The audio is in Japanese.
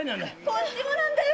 こっちもなんだよ。